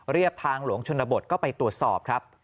ทางหลวงชนบทก็ไปตรวจสอบครับ